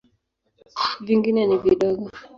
Vingine ni vidogo.